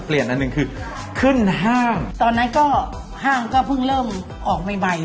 และตอนนั้นก็ห้างก็เพิ่งเริ่มออกใหม่หมาย